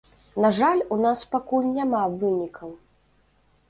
На жаль, у нас пакуль няма вынікаў.